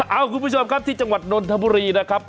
เอ้าคุณผู้ชมที่จังหวัดนตบูรีนะครับ